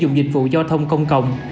sử dụng dịch vụ giao thông công cộng